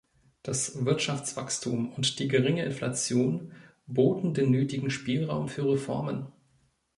Das Wirtschaftswachstum und die geringe Inflation boten den nötigen Spielraum für Reformen.